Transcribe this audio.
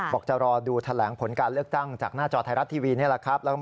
จะรอดูแถลงผลการเลือกตั้งจากหน้าจอไทยรัฐทีวีนี่แหละครับ